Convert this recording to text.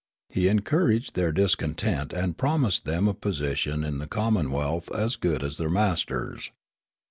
He encouraged their dis content and promised them a position in the common wealth as good as their masters.